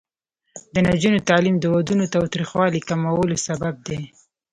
د نجونو تعلیم د ودونو تاوتریخوالي کمولو سبب دی.